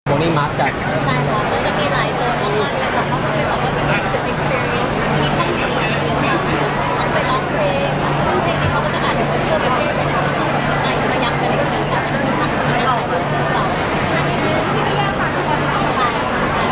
เมตรกาแฟของพวกนี้มักกัน